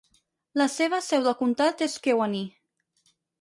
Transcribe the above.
La seva seu del comtat és Kewanee.